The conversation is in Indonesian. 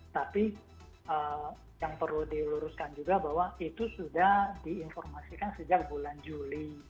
tapi yang perlu diluruskan juga bahwa itu sudah diinformasikan sejak bulan juli